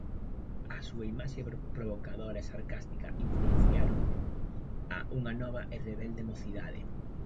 A súa imaxe provocadora e sarcástica influenciaron a unha nova e rebelde mocidade.